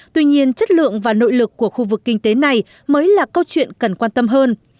tuy nhiên chất lượng và nội lực của khu vực kinh tế này mới là câu chuyện cần quan tâm hơn